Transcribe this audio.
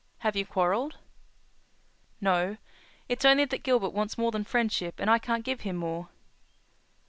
Have you quarrelled?" "No; it's only that Gilbert wants more than friendship and I can't give him more."